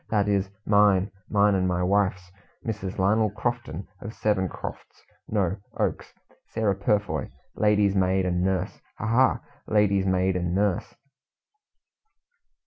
That is, mine. Mine and my wife's, Mrs. Lionel Crofton, of Seven Crofts, no oaks Sarah Purfoy, lady's maid and nurse ha! ha! lady's maid and nurse!"